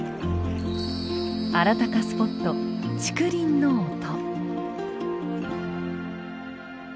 あらたかスポット竹林の音。